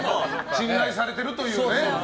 信頼されているというね。